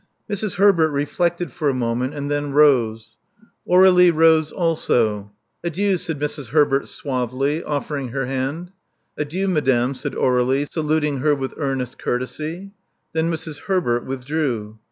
" Mrs. Herbert reflected for a moment, and then rose. Aurelie rose also. Adieu," said Mrs. Herbert sauvely, offering her hand. Adieu, madame," said Aurelie, saluting her with earnest courtesy. Then Mrs. Herbert withdrew.